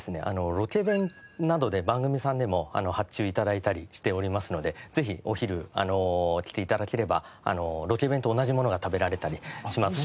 ロケ弁などで番組さんでも発注頂いたりしておりますのでぜひお昼来て頂ければロケ弁と同じものが食べられたりしますし。